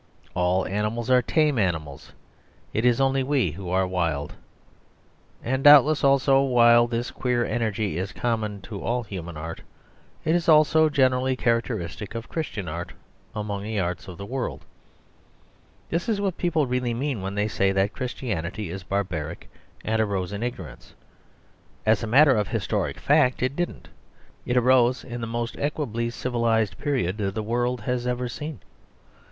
All animals are tame animals; it is only we who are wild. And doubtless, also, while this queer energy is common to all human art, it is also generally characteristic of Christian art among the arts of the world. This is what people really mean when they say that Christianity is barbaric, and arose in ignorance. As a matter of historic fact, it didn't; it arose in the most equably civilised period the world has ever seen.